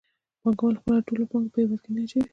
پانګوال خپله ټوله پانګه په هېواد کې نه اچوي